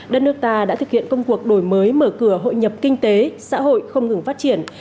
đất nước ta đã thực hiện công cuộc đổi mới mở cửa hội nhập kinh tế xã hội không ngừng phát triển